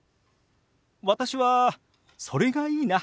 私はそれがいいな。